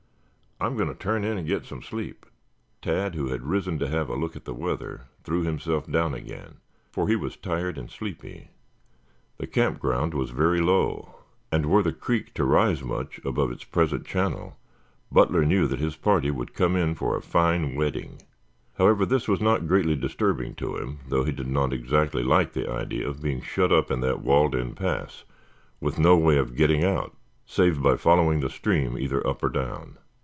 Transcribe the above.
I am going to turn in and get some sleep." Tad, who had risen to have a look at the weather, threw himself down again, for he was tired and sleepy. The campground was very low, and, were the creek to rise much above its present channel, Butler knew that his party would come in for a fine wetting. However, this was not greatly disturbing to him, though he did not exactly like the idea of being shut up in that walled in pass with no way of getting out save by following the stream either up or down.